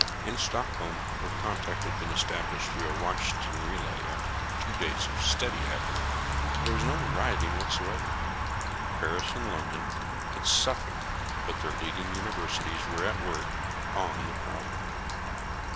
In Stockholm, where contact had been established through a Washington relay after 2 days of steady effort, there was no rioting whatever. Paris and London had suffered, but their leading universities were at work on the problem.